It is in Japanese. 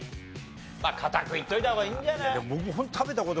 堅くいっといた方がいいんじゃない？